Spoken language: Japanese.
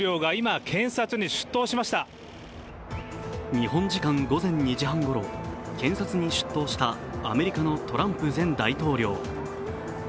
日本時間午前２時半ごろ、検察に出頭したアメリカのトランプ前大統領。